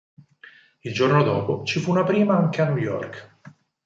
Il giorno dopo, ci fu una prima anche a New York.